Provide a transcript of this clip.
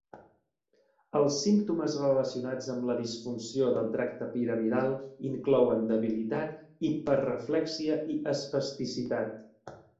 Els símptomes relacionats amb la disfunció del tracte piramidal inclouen debilitat, hiperreflèxia i espasticitat.